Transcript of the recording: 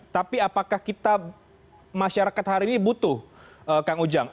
tapi apakah kita masyarakat hari ini butuh kang ujang